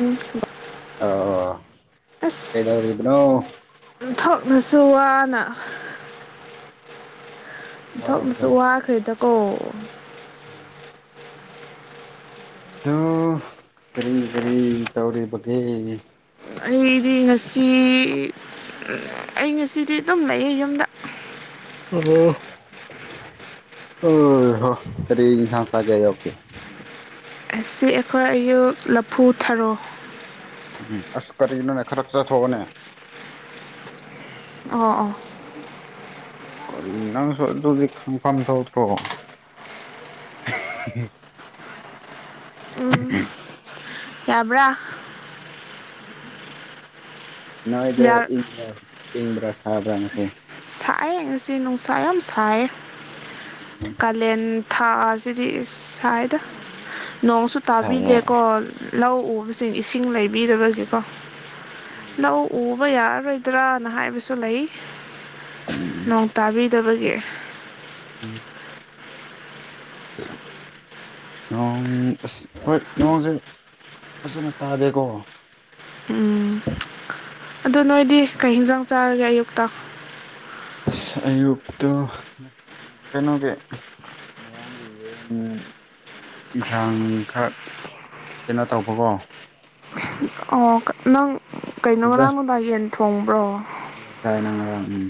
ꯎꯝ ꯑꯣ ꯑꯁ ꯀꯩꯗꯧꯔꯤꯕꯅꯣ ꯑꯣꯟꯊꯣꯛꯅꯁꯨ ꯋꯥꯅ ꯑꯣꯟꯊꯣꯛꯅꯥꯁꯨ ꯋꯥꯕꯗꯣ ꯋꯥꯈ꯭ꯔꯦꯗꯀꯣ [inaudible] ꯑꯗꯨ ꯀꯔꯤ ꯀꯔꯤ ꯇꯧꯔꯤꯕꯒꯦ ꯑꯩꯗꯤ ꯉꯁꯤ ꯑꯩ ꯉꯁꯤꯗꯤ ꯑꯗꯨꯝ ꯂꯩꯌꯦ ꯌꯨꯝꯗ ꯀꯔꯤ ꯏꯟꯁꯥꯡ ꯆꯥꯒꯦ ꯑꯌꯨꯛꯀꯤ ꯉꯁꯤ ꯑꯈꯣꯏ ꯑꯌꯨꯛ ꯂꯐꯨ ꯊꯔꯣ ꯎꯝ ꯑꯁ ꯀꯔꯤꯅꯣꯅꯦ ꯈꯔ ꯆꯠꯊꯣꯛꯑꯣꯅꯦ ꯑꯣ ꯑꯣ ꯀꯔꯤ ꯅꯪꯁꯨ ꯑꯗꯨꯗꯤ ꯈꯪꯐꯝ ꯊꯣꯛꯇꯔꯣ [unintelligible] ꯎꯝ ꯌꯥꯕ꯭ꯔꯥ ꯅꯣꯏꯗ ꯏꯪꯕ꯭ꯔ ꯏꯪꯕ꯭ꯔꯥ ꯁꯥꯕ꯭ꯔꯥ ꯉꯁꯤ ꯁꯥꯏꯌꯦ ꯉꯁꯤ ꯅꯨꯡꯁꯥ ꯌꯥꯝ ꯁꯥꯏꯌꯦ [unintelligible] ꯀꯥꯂꯦꯟ ꯊꯥꯁꯤꯗꯤ ꯏꯁ ꯁꯥꯏꯗ ꯅꯣꯡꯁꯨ ꯁꯥꯏꯌꯦ ꯇꯥꯕꯤꯗꯦꯀꯣ ꯂꯧ ꯎꯕꯁꯤꯡ ꯏꯁꯤꯡ ꯂꯩꯕꯤꯗꯕꯒꯤꯀꯣ ꯎꯝ ꯂꯧ ꯎꯕ ꯌꯥꯔꯔꯣꯏ ꯠꯇ꯭ꯔꯥꯅ ꯍꯥꯏꯕꯁꯨ ꯂꯩ ꯅꯣꯡ ꯇꯥꯕꯤꯗꯕꯒꯤ ꯎꯝ [unintelligible] ꯅꯣꯡ ꯑꯁ ꯍꯣꯏ ꯅꯣꯡꯁꯦ ꯐꯖꯅ ꯇꯥꯗꯦꯀꯣ ꯑꯗꯨ ꯅꯣꯏꯗꯤ ꯀꯩ ꯍꯤꯟꯖꯥꯡ ꯆꯥꯔꯒꯦ ꯑꯌꯨꯛꯇ ꯑꯁ ꯑꯌꯨꯛꯇꯨ ꯀꯩꯅꯣꯒꯤ ꯉꯔꯥꯡꯒꯤ ꯌꯦꯟ ꯏꯟꯁꯥꯡ ꯈꯔ ꯀꯩꯅꯣ ꯇꯧꯕꯀꯣ ꯑꯣ ꯅꯪ ꯀꯩꯅꯣ ꯉꯔꯥꯡ ꯅꯨꯡꯗꯥꯡ ꯌꯦꯟ ꯊꯣꯡꯕ꯭ꯔꯣ ꯌꯦꯟ ꯆꯥꯏꯅ ꯉꯔꯥꯡ ꯎꯝ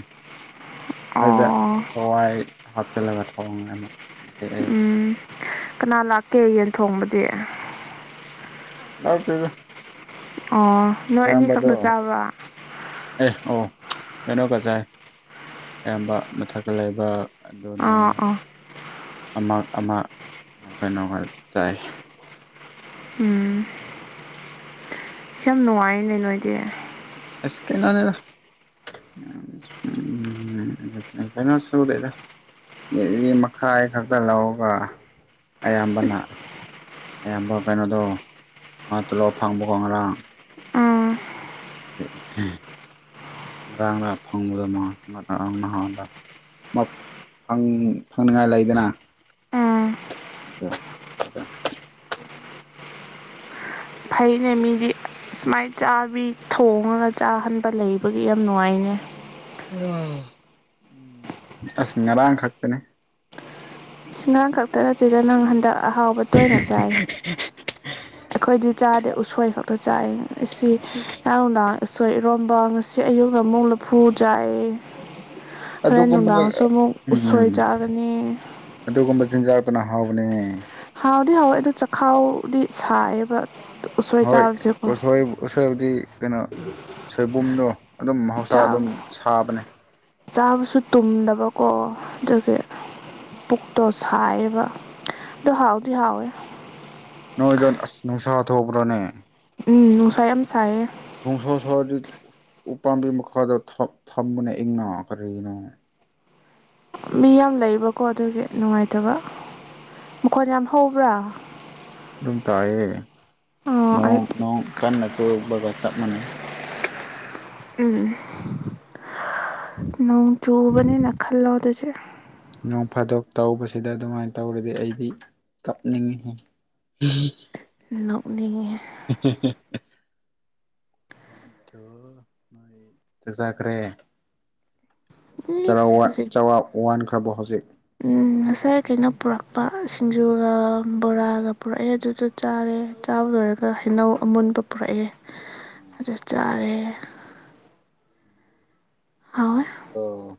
ꯑꯗꯨꯗ ꯑꯣ ꯍꯋꯥꯏ ꯍꯥꯞꯆꯜꯂꯒ ꯊ‌ꯣꯡꯉ‌ꯦ ꯑꯃꯨꯛ ꯃꯊ‌ꯦ ꯑꯌꯨꯛ ꯎꯝ ꯀꯅꯥ ꯂꯥꯛꯀꯦ ꯌꯦꯟ ꯊꯣꯡꯕꯗꯤ ꯂꯥꯛꯇ‌‌ꯦꯗ ꯑꯣ ꯅꯣꯏ ꯑꯅꯤ ꯌꯥꯝꯕꯗꯣ ꯈꯛꯇ ꯆꯥꯕ꯭ꯔꯥ ꯑ‌ꯩ ꯑꯣ ꯀꯩꯅꯣꯒ ꯆꯥꯏ ꯑꯌꯥꯝꯕ ꯃꯊꯛꯇ ꯂꯩꯕ ꯑꯗꯨꯅꯦ ꯑꯥ ꯑꯥ ꯑꯝꯃꯥ ꯑꯝꯃꯥ ꯑꯥ ꯀꯩꯅꯣ ꯍꯥꯏꯕ ꯇꯥꯏ ꯎꯝ ꯁꯤ ꯌꯥꯝ ꯅꯨꯉꯥꯏꯔꯤꯅꯦ ꯅꯣꯏꯗꯤ ꯑꯁ ꯀꯩꯅ‌ꯣꯅꯤꯗ [unintelligible] ꯀꯩꯅ‌ꯣ ꯁꯨꯗ‌ꯦꯗꯥ ꯀ‌ꯦꯖꯤ ꯃꯈꯥꯏ ꯈꯛꯇ ꯂꯧꯒ ꯑꯌꯥꯝꯕꯅ ꯑꯁ ꯑꯌꯥꯝꯕ ꯀꯩꯅꯣꯗꯣ ꯃꯥ ꯇ‌ꯣꯂꯣꯞ ꯐꯪꯕ ꯀ‌ꯣ ꯉꯔꯥꯡ ꯎꯝ ꯑ‌ꯦ ꯉꯔꯥꯡ ꯔ ꯐꯪꯕꯗ‌ꯣ ꯃꯥ ꯉꯔꯥꯡ ꯅꯍꯥꯟꯗ ꯃꯛ ꯐꯪ ꯐꯪꯅꯤꯡꯉꯥꯏ ꯂꯩꯗꯅ ꯎꯝ ꯑꯒ ꯐꯩꯅꯦ ꯃꯤꯗꯤ ꯁꯨꯃꯥꯏ ꯆꯥꯕꯤ ꯊꯣꯡꯉꯒ ꯆꯥꯍꯟꯕ ꯂꯩꯕꯒꯤ ꯌꯥꯝ ꯅꯨꯉꯥꯏꯅꯦ ꯎꯝ ꯑꯁ ꯉꯔꯥꯡ ꯈꯛꯇꯅꯦ ꯉꯔꯥꯡ ꯈꯛꯇ ꯅꯠꯇ‌ꯦꯗ ꯅꯪ ꯍꯟꯗꯛ ꯑꯍꯥꯎꯕ ꯇꯣꯏꯅ ꯆꯥꯏ ꯑꯩꯈꯣꯏꯗꯤ ꯆꯥꯗꯦ ꯎꯁꯣꯏ ꯈꯛꯇ ꯆꯥꯏ ꯑꯁꯤ ꯉꯔꯥꯡ ꯅꯨꯡꯗꯥꯡ ꯎꯁꯣꯏ ꯏꯔꯣꯝꯕ ꯉꯁꯤ ꯑꯌꯨꯛꯅ ꯑꯃꯨꯛ ꯂꯐꯨ ꯆꯥꯏ ꯍꯣꯔꯦꯟ ꯑꯗꯨꯒꯨꯝꯕꯗ ꯅꯨꯡꯗꯥꯡꯁꯨ ꯃꯨꯛ ꯎꯁꯣꯏ ꯎꯝ ꯆꯥꯒꯅꯤ ꯑꯗꯨꯒꯨꯝꯕ ꯆꯤꯟꯖꯥꯛꯇꯨꯅ ꯍꯥꯎꯕꯅꯦ ꯍꯥꯎꯗꯤ ꯍꯥꯎꯋꯦ ꯑꯗꯣ ꯆꯈꯥꯎꯗꯤ ꯁꯥꯏꯌꯦꯕ ꯎꯁꯣꯏ ꯍꯣꯏ ꯆꯥꯕꯁꯦ ꯀꯣ ꯎꯁꯣꯏ ꯎꯁꯣꯏꯕꯨꯗꯤ ꯀꯩꯅꯣ ꯁꯣꯏꯕꯨꯝꯗꯣ ꯑꯗꯨꯝ ꯃꯍꯧꯁꯥ ꯑꯗꯨꯝ ꯁꯥꯕꯅꯦ ꯆꯥꯕꯁꯨ ꯇꯨꯝꯗꯕꯀꯣ ꯗꯨꯒꯤ ꯄꯨꯛꯇꯣ ꯁꯥꯏꯌ‌ꯦꯕꯥ ꯗꯨ ꯍꯥꯎꯗꯤ ꯍꯥꯎꯋꯦ ꯅꯣꯏꯗꯟ ꯑꯁ ꯅꯨꯡꯁꯥ ꯊꯣꯛꯄ꯭ꯔꯅꯦ ꯎꯝ ꯅꯨꯡꯁꯥ ꯌꯥꯝ ꯁꯥꯏꯌꯦ ꯅꯣꯡꯁꯥ ꯁꯥꯔꯗꯤ ꯎꯄꯥꯝꯕꯤ ꯃꯈꯥꯗ ꯐꯛ ꯐꯝꯃꯨꯅ‌ꯦ ꯏꯪꯅ ꯀꯔꯤꯅꯣ ꯃꯤ ꯌꯥꯝ ꯂꯩꯕꯀꯣ ꯑꯗꯨꯒꯤ ꯅꯨꯉꯥꯏꯇꯕ ꯃꯈꯣꯟ ꯌꯥꯝ ꯍꯧꯕ꯭ꯔꯥ ꯗꯨꯝ ꯇꯥꯏꯌ‌ꯦ ꯑꯣ ꯅꯣꯡ ꯑꯩ ꯅꯣꯡ ꯀꯟꯅ ꯆꯨꯕꯒ ꯆꯞ ꯃꯥꯟꯅꯩ ꯎꯝ ꯅꯣꯡ ꯆꯨꯕꯅꯦꯅ ꯈꯜꯂꯣ ꯑꯗꯨꯖꯤ ꯅꯣꯡ ꯐꯥꯗꯣꯛ ꯇꯧꯕꯁꯤꯗ ꯑꯗꯨꯃꯥꯏꯟ ꯇꯧꯔꯗꯤ ꯑꯩꯗꯤ ꯀꯞꯅꯤꯡꯉꯤꯍ‌ꯦ ꯅ‌ꯣꯛꯅꯤꯡ ꯉꯤꯍ‌ꯦ [unintelligible] ꯆ ꯆꯥꯈ꯭ꯔꯦ ꯆꯔꯥ ꯏꯁ ꯋꯥꯟ ꯍꯧꯖꯤꯛ ꯆꯔꯥꯎ ꯋꯥꯟꯈ꯭ꯔꯕꯣ ꯍꯧꯖꯤꯛ ꯎꯝ ꯉꯁꯥꯏ ꯀꯩꯅꯣ ꯄꯨꯔꯛꯄ ꯁꯤꯡꯖꯨꯒ ꯕꯣꯔꯥꯒ ꯄꯨꯔꯑꯦ ꯑꯗꯨꯗꯨ ꯆꯥꯔꯦ ꯆꯥꯕ ꯂꯣꯏꯔꯒ ꯍꯩꯅꯧ ꯑꯃꯨꯟꯕ ꯄꯨꯔꯑꯦ ꯑꯗꯨ ꯆꯥꯔꯦ ꯍꯥꯎꯋ‌ꯦ ꯑꯣ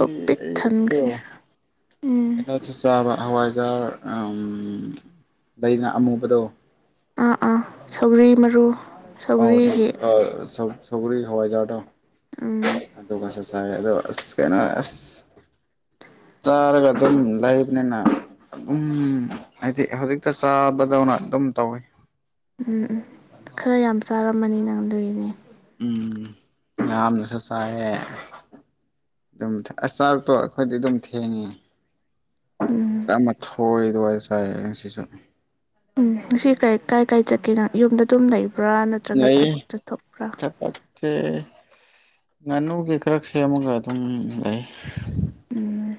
ꯄꯨꯛ ꯄꯤꯛ ꯑꯩꯌ‌ꯣ ꯊꯟꯈ꯭ꯔꯦ ꯀ‌ꯣ ꯎꯝ ꯑꯩꯗ‌ꯣ ꯆꯥꯛ ꯆꯥꯕ ꯍꯋꯥꯏꯖꯥꯔ ꯑꯝ ꯂꯩꯗꯅ ꯑꯃꯨꯕꯗꯣ ꯑꯥ ꯑꯥ ꯁꯧꯒ꯭ꯔꯤ ꯃꯔꯨ ꯑꯧ ꯁꯧ ꯁꯧꯒ꯭ꯔꯤꯒꯤ ꯑ ꯁꯧ ꯁꯧꯒ꯭ꯔꯤ ꯍꯋꯥꯏꯖꯥꯔꯗꯣ ꯎꯝ ꯑꯗꯨꯒꯁꯨ ꯆꯥꯏ ꯑꯗꯣ ꯑꯁ ꯀꯩꯅꯣ ꯑꯁ ꯆꯥꯔꯒ ꯑꯗꯨꯝ ꯂꯩꯕꯅꯤꯅ ꯎꯝ ꯍꯥꯏꯗꯤ ꯍꯧꯖꯤꯛꯇ ꯆꯥꯕꯗꯧꯅ ꯑꯗꯨꯝ ꯇꯧꯋꯤ ꯎꯝ ꯎꯝ ꯈꯔ ꯌꯥꯝ ꯆꯥꯔꯝꯃꯅꯤ ꯅꯪ ꯑꯗꯨꯒꯤꯅꯦ ꯎꯝ ꯌꯥꯝꯅꯁꯨ ꯆꯥꯏꯌꯦ ꯑꯗꯨꯝ ꯑꯁ ꯆꯥꯛꯇꯣ ꯑꯩꯈꯣꯏꯗꯤ ꯑꯗꯨꯝ ꯊꯦꯡꯉꯤ ꯎꯝ ꯇꯔꯥꯃꯊꯣꯏ ꯑꯗꯨꯋꯥꯏꯗ ꯆꯥꯏꯌꯦ ꯉꯁꯤꯁꯨ ꯎꯝ ꯉꯁꯤ ꯀꯩ ꯀꯥꯏ ꯀꯥꯏ ꯆꯠꯀꯦ ꯅꯪ ꯌꯨꯝꯗ ꯑꯗꯨꯝ ꯂꯩꯕ꯭ꯔꯥ ꯅꯠ ꯂꯩꯌꯦ ꯆꯠ ꯆꯠꯇꯦ ꯉꯥꯅꯨꯒꯤ ꯈꯔ ꯁꯦꯝꯃꯒ ꯑꯗꯨꯝ ꯂꯩ ꯎꯝ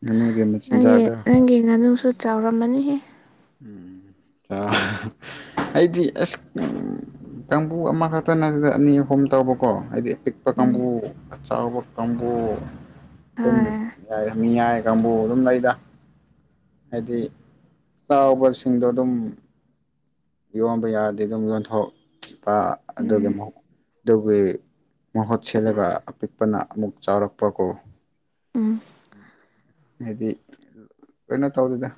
ꯉꯥꯅꯨꯒꯤ ꯅꯪꯒꯤ ꯃꯆꯤꯟꯖꯥꯛꯗꯣ ꯅꯪꯒꯤ ꯉꯥꯅꯨꯁꯨ ꯆꯥꯎꯔꯝꯃꯅꯤꯍꯦ ꯎꯝ ꯆꯥꯎ ꯑꯩꯗꯤ ꯑꯁ ꯎꯝ ꯀꯥꯡꯕꯨ ꯑꯃꯈꯛꯇ ꯅꯠꯇꯅ ꯑꯅꯤ ꯑꯍꯨꯝ ꯇꯧꯕꯀꯣ ꯍꯥꯏꯗꯤ ꯄꯤꯛ ꯄ ꯀꯥꯡꯕꯨ ꯎꯝ ꯑꯆꯧꯕ ꯀꯥꯡꯕꯨ ꯑꯗꯨꯝ ꯍꯣꯏ ꯌꯥꯏ ꯃꯤꯌꯥꯏ ꯀꯥꯡꯕꯨ ꯑꯗꯨꯝ ꯂꯩꯗ ꯍꯥꯏꯗꯤ ꯆꯥꯎꯕꯁꯤꯡꯗꯣ ꯑꯗꯨꯝ ꯌꯣꯟꯕ ꯌꯥꯔꯗꯤ ꯑꯗꯨꯝ ꯌꯣꯟꯊꯣꯛꯄ ꯑꯗꯨꯒꯤ ꯎꯝ ꯃꯨꯛ ꯑꯗꯨꯒꯤ ꯃꯍꯨꯠ ꯁꯤꯜꯂꯒ ꯑꯄꯤꯛꯄꯅ ꯑꯃꯨꯛ ꯆꯥꯎꯔꯛꯄꯀꯣ ꯎꯝ ꯍꯥꯏꯗꯤ ꯀꯩꯅꯣ ꯇꯧꯗꯦꯗ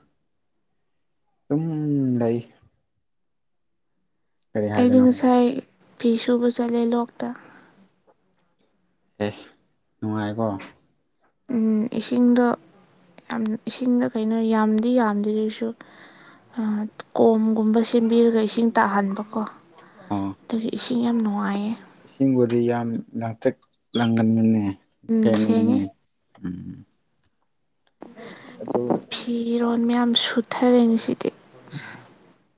ꯑꯗꯨꯝ ꯂꯩ ꯀꯔꯤ ꯑꯩꯗꯤ ꯍꯥꯏꯗꯅꯣ ꯉꯁꯥꯏ ꯐꯤ ꯁꯨꯕ ꯆꯠꯂꯦ ꯂꯣꯛꯇ ꯑꯦ ꯅꯨꯡꯉꯥꯏꯀꯣ ꯎꯝ ꯏꯁꯤꯡꯗꯣ ꯌꯥꯝ ꯏꯁꯤꯡꯗꯣ ꯀꯩꯅꯣ ꯌꯥꯝꯗꯤ ꯌꯥꯝꯗꯦ ꯑꯗꯣꯏꯁꯨ ꯑ ꯀꯣꯝꯒꯨꯝꯕ ꯁꯦꯝꯕꯤꯔꯒ ꯏꯁꯤꯡ ꯇꯥꯍꯟꯕꯀꯣ ꯑꯣ ꯑꯗꯨꯒꯤ ꯏꯁꯤꯡ ꯌꯥꯝ ꯅꯨꯡꯉꯥꯏꯌꯦ ꯏꯁꯤꯡꯕꯨꯗꯤ ꯌꯥꯝ ꯂꯥꯡꯊꯛ ꯂꯪꯒꯟꯕꯅꯦ ꯎꯝ ꯁꯦꯡꯉꯦ ꯁꯦꯡꯕꯅꯤꯅꯦ ꯎꯝ ꯑꯗꯣ ꯐꯤꯔꯣꯟ ꯃꯌꯥꯝ ꯁꯨꯊꯔꯦ ꯉꯁꯤꯗꯤ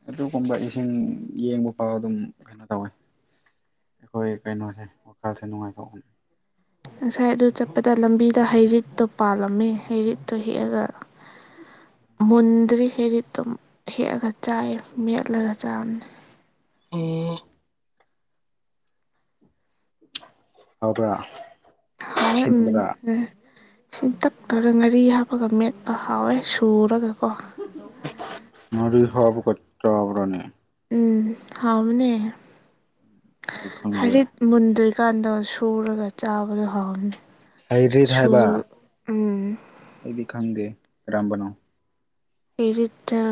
ꯑꯗꯨꯒꯨꯝꯕ ꯏꯁꯤꯡ ꯌꯦꯡꯕ ꯐꯥꯎ ꯑꯗꯨꯝ ꯀꯩꯅꯣ ꯇꯧꯋꯦ ꯑꯩꯈꯣꯏ ꯀꯩꯅꯣꯁꯦ ꯋꯥꯈꯜꯁꯦ ꯅꯨꯡꯉꯥꯏꯊꯣꯛꯄꯅꯤ ꯉꯁꯥꯏ ꯑꯗꯨ ꯆꯠꯄꯗ ꯂꯝꯕꯤꯗ ꯍꯩꯔꯤꯠꯇꯣ ꯄꯥꯜꯂꯝꯃꯦ ꯍꯩꯔꯤꯠꯇꯣ ꯍꯦꯛꯑꯒ ꯃꯨꯟꯗ꯭ꯔꯤ ꯍꯩꯔꯤꯠꯇꯣ ꯍꯦꯛꯑꯒ ꯆꯥꯏꯌꯦ ꯃꯦꯠꯂꯒ ꯆꯥꯕꯅꯤ ꯑꯣ ꯍꯥꯎꯕ꯭ꯔꯥ ꯍꯥꯎꯋꯦ ꯎꯝ ꯂꯣꯏꯍꯦ ꯁꯤꯟꯇꯛ ꯇꯧꯔ ꯉꯥꯔꯤ ꯍꯥꯞꯄꯒ ꯃꯦꯠꯄ ꯍꯥꯎꯋꯦ ꯁꯨꯔꯒꯀꯣ ꯃꯔꯨꯏ ꯍꯥꯞꯄꯒ ꯆꯥꯕꯔꯅꯦ ꯎꯝ ꯍꯥꯎꯕꯅꯦ ꯑꯩꯗꯤ ꯈꯪꯗꯦ ꯍꯥꯔꯤꯠ ꯃꯨꯟꯗ꯭ꯔꯤꯀꯥꯟꯗꯣ ꯁꯨꯔꯒ ꯆꯥꯕꯗꯣ ꯍꯥꯎꯅꯤ ꯍꯩꯔꯤꯠ ꯍꯥꯏꯕ ꯁꯨ ꯎꯝ ꯑꯩꯗꯤ ꯈꯪꯗꯦ ꯀꯥꯔꯝꯕꯅꯣ ꯀꯔꯤꯁꯨ ꯆꯥ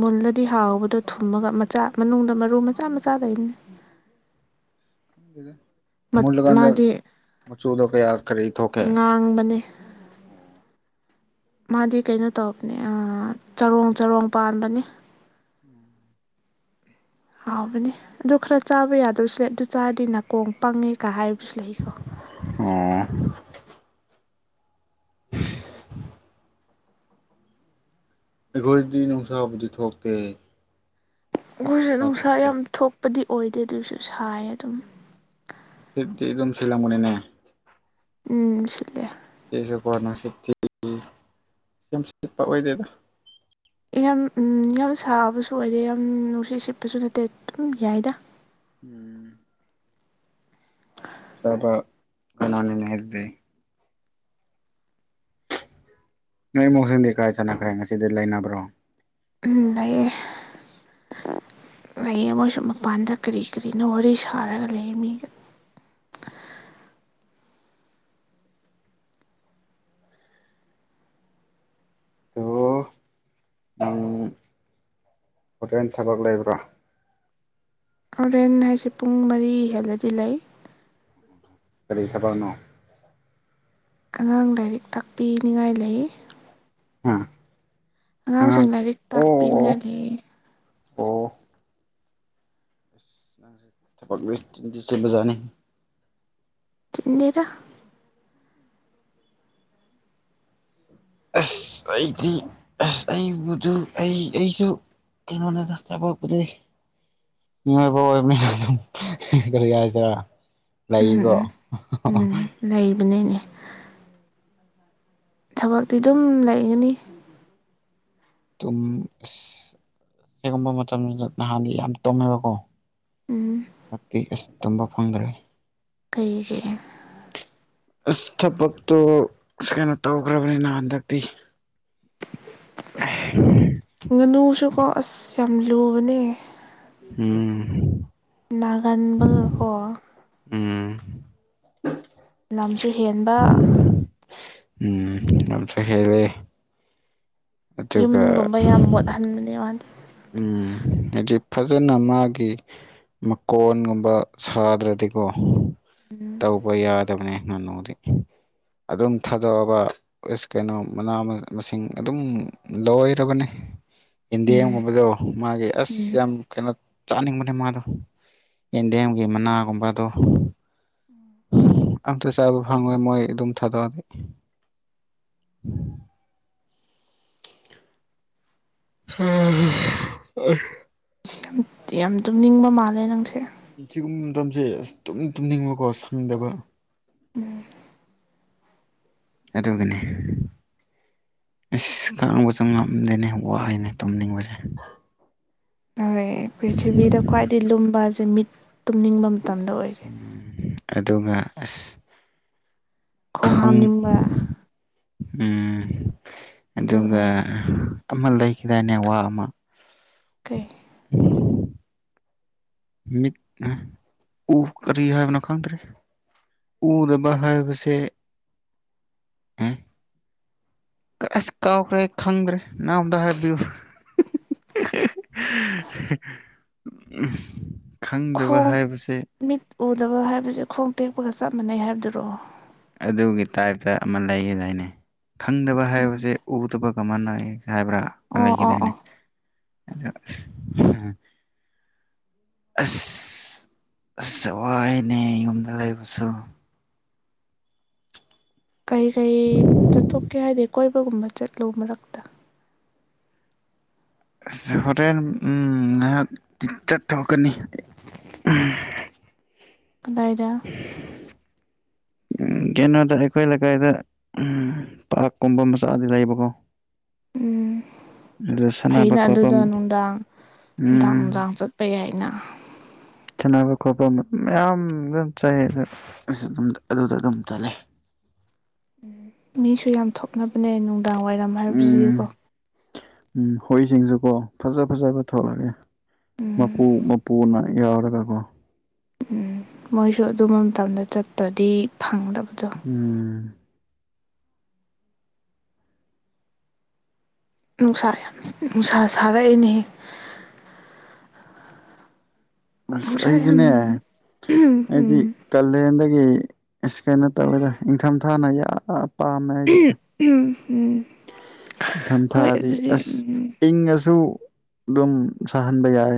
ꯃꯨꯜꯂꯗꯤ ꯍꯥꯎꯕꯗꯣ ꯊꯨꯝꯃꯒ ꯃꯆꯥ ꯃꯅꯨꯡꯗ ꯃꯔꯨ ꯃꯆꯥ ꯃꯆꯥ ꯂꯩꯕꯅꯤ ꯈꯪꯗꯦ ꯃꯨꯂꯀꯥꯟꯗ ꯃꯥꯗꯤ ꯃꯆꯨꯗꯣ ꯀꯌꯥ ꯀꯔꯤ ꯊꯣꯛꯀꯦ ꯉꯥꯡꯕꯅꯦ ꯃꯥꯗꯤ ꯀꯩꯅꯣ ꯇꯧꯕꯅꯦ ꯑꯥ ꯆꯔꯣꯡ ꯆꯔꯣꯡ ꯄꯥꯟꯕꯅꯦ ꯎꯝ ꯍꯥꯎꯕꯅꯦ ꯑꯗꯨ ꯈꯔ ꯆꯥꯕ ꯌꯥꯗꯕꯁꯨ ꯂꯩ ꯑꯗꯨ ꯆꯥꯔꯗꯤ ꯅꯥꯀꯣꯡ ꯄꯪꯉꯦꯒ ꯍꯥꯏꯕꯁꯨ ꯂꯩꯀꯣ ꯑꯣ ꯑꯩꯈꯣꯏꯗꯤ ꯅꯨꯡꯁꯥꯕꯨꯗꯤ ꯊꯣꯛꯇꯦ ꯑꯩꯈꯣꯏꯁꯨ ꯅꯨꯡꯁꯥ ꯌꯥꯝ ꯊꯣꯛꯄꯗꯤ ꯑꯣꯏꯗꯦ ꯑꯗꯨꯁꯨ ꯁꯥꯏ ꯑꯗꯨꯝ ꯅꯨꯡꯁꯤꯠꯇꯤ ꯑꯗꯨꯝ ꯆꯤꯟꯂꯝꯒꯅꯤꯅꯦ ꯎꯝ ꯁꯤꯠꯂꯦ ꯁꯤꯁꯨꯀꯣ ꯅꯨꯡꯁꯤꯠꯇꯤ ꯌꯥꯝ ꯁꯤꯠꯄ ꯑꯣꯏꯗꯦꯗ ꯌꯥꯝ ꯎꯝ ꯌꯥꯝ ꯁꯥꯕꯁꯨ ꯑꯣꯏꯗꯦ ꯌꯥꯝ ꯅꯨꯡꯁꯤꯠ ꯁꯤꯠꯄꯁꯨ ꯅꯠꯇꯦ ꯑꯗꯨꯝ ꯌꯥꯏꯗ ꯎꯝ ꯆꯥꯕꯥ ꯀꯩꯅꯣꯅꯤꯅꯦ ꯍꯥꯢꯕꯗꯤ ꯅꯣꯏ ꯃꯧꯁꯤꯡꯗꯤ ꯀꯥꯏ ꯆꯠꯅꯈ꯭ꯔꯦ ꯉꯁꯤꯗꯤ ꯂꯩꯅꯕ꯭ꯔꯣ ꯎꯝ ꯂꯩꯌꯦ ꯂꯩꯌꯦ ꯃꯣꯏꯁꯨ ꯃꯄꯥꯟꯗ ꯀꯔꯤ ꯀꯔꯤꯅꯣ ꯋꯥꯔꯤ ꯁꯥꯔꯒ ꯂꯩꯌꯦ ꯃꯤꯒꯥ [unintelligible] ꯅꯪ ꯍꯣꯔꯦꯟ ꯊꯕꯛ ꯂꯩꯕ꯭ꯔꯣ ꯍꯣꯔꯦꯟ ꯍꯥꯏꯁꯦ ꯄꯨꯡ ꯃꯔꯤ ꯍꯦꯜꯂꯗꯤ ꯂꯩ ꯀꯔꯤ ꯊꯕꯛꯅꯣ ꯑꯉꯥꯡ ꯂꯥꯏꯔꯤꯛ ꯇꯥꯛꯄꯤꯅꯤꯡꯉꯥꯏ ꯂꯩꯌꯦ ꯍꯥꯥ ꯑꯉꯥꯡꯁꯤꯡ ꯂꯥꯏꯔꯤꯛ ꯇꯥꯛꯄꯤꯅꯤꯉꯥꯏ ꯂꯩꯌꯦ ꯑꯣ ꯅꯥꯪꯖꯦ ꯊꯥꯕꯛꯇꯤ ꯆꯤꯟꯗꯤ ꯆꯤꯟꯕꯥꯖꯠꯅꯤ ꯆꯤꯟꯗꯦꯗ ꯑꯁ ꯑꯩꯗꯤ ꯑꯁ ꯑꯩꯕꯨꯗꯨ ꯑꯩ ꯑꯩꯁꯨ ꯀꯩꯅꯣꯅꯤꯗ ꯊꯕꯛꯕꯨꯗꯤ ꯃꯤꯑꯣꯏꯕ ꯑꯣꯏꯕꯅꯤꯅ ꯑꯗꯨꯝ ꯀꯔꯤ ꯍꯥꯏꯁꯤꯔꯥ ꯎꯝ ꯂꯩꯀꯣ ꯎꯝ ꯎꯝ ꯂꯩꯕꯅꯤꯅꯦ ꯊꯕꯛꯇꯤ ꯑꯗꯨꯝ ꯂꯩꯒꯅꯤ ꯇꯨꯝ ꯁꯤꯒꯨꯝꯕ ꯃꯇꯝꯖꯤꯗ ꯅꯍꯥꯟꯗꯤ ꯌꯥꯝ ꯇꯨꯝꯃꯦꯕꯀꯣ ꯎꯝ ꯍꯥꯟꯗꯛꯇꯤ ꯑꯁ ꯇꯨꯝꯕ ꯐꯪꯗ꯭ꯔꯦ ꯀꯩꯒꯤ ꯑꯁ ꯊꯕꯛꯇꯣ ꯀꯩꯅꯣ ꯇꯧꯈ꯭ꯔꯕꯅꯤꯅ ꯍꯟꯗꯛꯇꯤ ꯑꯦ ꯉꯥꯅꯨꯁꯨꯀꯣ ꯑꯁ ꯌꯥꯝ ꯂꯨꯕꯅꯦ ꯎꯝ ꯅꯥꯒꯟꯕꯒꯀꯣ ꯎꯝ ꯂꯝꯁꯨ ꯍꯦꯟꯕ ꯎꯝ ꯂꯝꯁꯨ ꯍꯦꯜꯂꯦ ꯑꯗꯨꯒ ꯌꯨꯝꯒꯨꯝꯕ ꯌꯥꯝ ꯃꯣꯠꯍꯟꯕꯅꯦ ꯃꯥꯗꯤ ꯎꯝ ꯍꯥꯏꯗꯤ ꯐꯖꯅ ꯃꯥꯒꯤ ꯃꯀꯣꯟꯒꯨꯝꯕ ꯁꯥꯗ꯭ꯔꯗꯤꯀꯣ ꯇꯧ ꯍꯣꯏ ꯌꯥꯗꯕꯅꯦ ꯉꯥꯅꯨꯗꯤ ꯑꯗꯨꯝ ꯊꯥꯗꯣꯛꯑꯒ ꯑꯁ ꯀꯩꯅꯣ ꯃꯅꯥ ꯃꯁꯤꯡ ꯑꯗꯨꯝ ꯂꯣꯏꯔꯕꯅꯦ ꯎꯝ ꯌꯦꯟꯗꯦꯝꯒꯨꯝꯕꯗꯣ ꯃꯥꯒꯤ ꯑꯁ ꯎꯝ ꯌꯥꯝ ꯀꯩꯅꯣ ꯆꯥꯅꯤꯡꯕꯅꯦ ꯃꯥꯗꯣ ꯌꯦꯟꯗꯦꯝꯒꯤ ꯃꯅꯥꯒꯨꯝꯕꯗꯣ ꯎꯝ ꯑꯝꯇ ꯆꯥꯕ ꯐꯪꯉꯣꯏ ꯃꯣꯏ ꯑꯗꯨꯝ ꯊꯥꯗꯣꯛꯑꯗꯤ [unintelligible] ꯌꯥꯝ ꯌꯥꯝ ꯇꯨꯝꯅꯤꯡꯕ ꯃꯥꯜꯂꯦ ꯅꯪꯁꯦ ꯁꯤꯒꯨꯝꯕ ꯃꯇꯝꯁꯦ ꯑꯁ ꯇꯨꯝ ꯇꯨꯝꯅꯤꯡꯕꯀꯣ ꯁꯪꯗꯕ ꯎꯝ ꯑꯗꯨꯒꯅꯦ ꯑꯦꯁ ꯈꯥꯡꯕꯁꯨ ꯉꯝꯗꯦꯅꯦ ꯋꯥꯏꯅꯦ ꯇꯨꯝꯅꯤꯡꯕꯁꯦ ꯍꯣꯏ ꯄ꯭ꯔꯤꯊꯤꯕꯤꯗ ꯈ꯭ꯋꯥꯏꯗꯒꯤ ꯂꯨꯝꯕ ꯍꯥꯏꯕꯁꯦ ꯃꯤꯠ ꯇꯨꯝꯅꯤꯡꯕ ꯃꯇꯝꯗ ꯑꯣꯏ ꯎꯝ ꯑꯗꯨꯒ ꯑꯁ ꯈꯣꯡ ꯈꯪ ꯍꯥꯝꯅꯤꯡꯕ ꯎꯝ ꯑꯗꯨ ꯑꯗꯨꯒ ꯑꯣꯏꯔꯦ ꯑꯃ ꯂꯩꯈꯤꯗꯥꯏꯅꯦ ꯋꯥ ꯑꯃ ꯀꯩ [unintelligible] ꯃꯤꯠ ꯎ ꯀꯔꯤ ꯍꯥꯏꯕꯅꯣ ꯈꯪꯗ꯭ꯔꯦ ꯎꯗꯕ ꯍꯥꯏꯕꯁꯦ ꯑ ꯑꯁ ꯀꯥꯎꯈ꯭ꯔꯦ ꯈꯪꯗ꯭ꯔꯦ ꯅꯪ ꯑꯝꯇ ꯍꯥꯏꯕꯤꯌꯨ ꯈꯪꯗꯕ ꯈꯣꯡ ꯍꯥꯏꯕꯁꯦ ꯃꯤꯠ ꯎꯗꯕ ꯍꯥꯏꯕꯁꯦ ꯈꯣꯡ ꯇꯦꯛꯄꯒ ꯆꯞ ꯃꯥꯟꯅꯩ ꯍꯥꯏꯕꯗꯨꯔꯣ ꯑꯗꯨꯒꯤ ꯇꯥꯏꯞꯇ ꯑꯃ ꯂꯩꯒꯤꯗꯥꯏꯅꯦ ꯈꯪꯗꯕ ꯍꯥꯏꯕꯁꯦ ꯎꯗꯕꯒ ꯃꯥꯟꯅꯩ ꯍꯥꯏꯕ꯭ꯔꯥ ꯑꯣ ꯑꯣ ꯂꯩꯒꯤꯗꯥꯏꯅꯦ ꯑꯣ [unintelligible] ꯑꯁ ꯑꯁ ꯋꯥꯏꯅꯦ ꯌꯨꯝꯗ ꯂꯩꯕꯁꯨ ꯀꯩ ꯀꯩ ꯆꯠꯊꯣꯛꯀꯦ ꯍꯥꯏꯗꯤ ꯀꯣꯏꯕꯒꯨꯝꯕ ꯆꯠꯂꯣ ꯃꯔꯛꯇ ꯑꯁ ꯍꯣꯔꯦꯟ ꯎꯝ ꯉꯍꯥꯛ ꯆꯠꯊꯣꯛꯀꯅꯤ ꯀꯗꯥꯏꯗ ꯎꯝ ꯀꯩꯅꯣꯗ ꯑꯩꯈꯣꯏ ꯂꯩꯀꯥꯏꯗ ꯎꯝ ꯄꯥꯛꯔꯀꯨꯝꯕ ꯃꯆꯥꯗꯤ ꯂꯩꯕꯀꯣ ꯎꯝ ꯑꯗꯨꯗ ꯁꯥꯟꯅꯕ ꯐꯩꯅ ꯈꯣꯠꯄ ꯑꯗꯨꯗ ꯅꯨꯡꯗꯥꯡ ꯅꯨꯡꯗꯥꯡ ꯎꯝ ꯅꯨꯡꯗꯥꯡ ꯆꯠꯄ ꯌꯥꯏꯅ ꯁꯥꯅꯕ ꯈꯣꯠꯄ ꯃꯌꯥꯝ ꯑꯗꯨ ꯆꯥꯏ ꯑꯗꯨ ꯑꯗꯨꯗ ꯑꯗꯨꯝ ꯆꯠꯂꯦ ꯎꯝ ꯃꯤꯁꯨ ꯌꯥꯝ ꯊꯣꯛꯅꯕꯅꯦ ꯅꯨꯡꯗꯥꯡ ꯋꯥꯏꯔꯝ ꯍꯥꯏꯕꯁꯤꯗꯤꯀꯣ ꯎꯝ ꯎꯝ ꯍꯨꯏꯁꯤꯡꯁꯨꯀꯣ ꯐꯖ ꯐꯖꯕ ꯊꯣꯛꯂꯛꯑꯦ ꯎꯝ ꯃꯄꯨ ꯃꯄꯨꯅ ꯌꯥꯎꯔꯒ ꯀꯣ ꯎꯝ ꯃꯣꯏꯁꯨ ꯑꯗꯨꯝꯕ ꯃꯇꯝꯗ ꯆꯠꯇ꯭ꯔꯗꯤ ꯐꯪꯗꯕꯗꯣ ꯎꯝ ꯅꯨꯡꯁꯥ ꯌꯥꯝ ꯅꯨꯡꯁꯥ ꯁꯥꯔꯛꯏꯅꯦꯍꯦ ꯑꯁ ꯅꯨꯡꯁꯥ ꯌꯥꯝ ꯑꯩꯗꯤꯅꯦ ꯎꯝ ꯑꯩꯗꯤ ꯎꯝ ꯀꯥꯂꯦꯟꯗꯒꯤ ꯑꯁ ꯀꯩꯅꯣꯇꯧꯋꯦꯗ ꯏꯪꯊꯝꯊꯥꯅ ꯌꯥꯝ ꯄꯥꯝꯃꯦ ꯑꯩꯗꯤ ꯎꯝ ꯎꯝ ꯏꯪꯊꯝ ꯍꯣꯏ ꯊꯥꯗꯤ ꯑꯗꯨꯗꯤ ꯑꯁ ꯎꯝ ꯏꯪꯉꯁꯨ ꯑꯗꯨꯝ ꯁꯥꯍꯟꯕ ꯌꯥꯏ